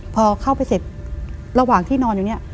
พอเข้าไปเสร็จระหว่างที่นอนอยู่เนี่ย